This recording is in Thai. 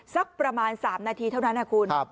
สักประมาณ๓นาทีเท่านั้นนะคุณ